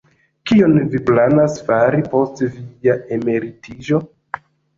Kion vi planas fari post via emeritiĝo?